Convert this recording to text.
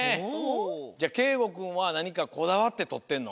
じゃあけいごくんはなにかこだわってとってんの？